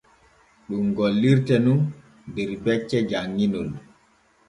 Ɗum gollirte nun der becce janŋinol f́́́́́́́.